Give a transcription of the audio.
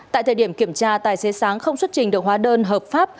tại thời điểm kiểm tra tài xế sáng không xuất trình được hóa đơn hợp pháp